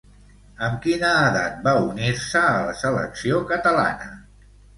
Amb quina edat va unir-se a la selecció catalana?